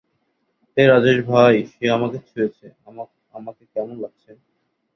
হে রাজেশ ভাই, সে আমাকে ছুঁয়েছে, আমাকে কেমন লাগছে?